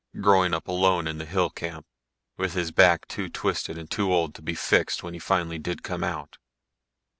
Growing up alone in the hill camp, with his back too twisted and too old to be fixed when he finally did come out.